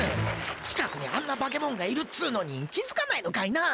近くにあんな化けもんがいるっつのに気付かないのかいなあ？